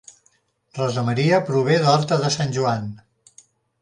Rosa Maria prové d'Horta de Sant Joan